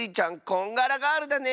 こんがらガールだね！